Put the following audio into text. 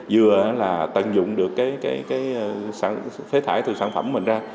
vừa là tận dụng được cái phế thải từ sản phẩm mình ra